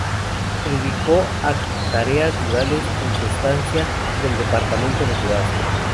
Se dedicó a tareas rurales en su estancia del departamento de Durazno.